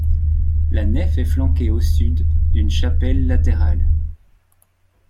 La nef est flanquée au sud d'une chapelle latérale.